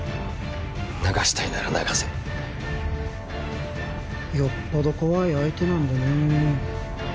流したいなら流せよっぽど怖い相手なんだねえ